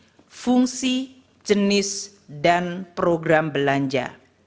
belanja berdasarkan fungsi terdiri dari organisasi fungsi jenis dan program belanja